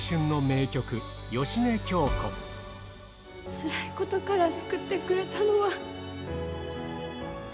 つらいことから救ってくれたのは。